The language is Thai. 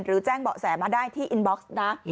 แจ้งเบาะแสมาได้ที่อินบ็อกซ์นะ